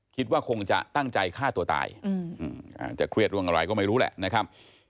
คิดว่าคงจะตั้งใจฆ่าตัวตายอาจจะเครียดเรื่องอะไรก็ไม่รู้แหละนะครับ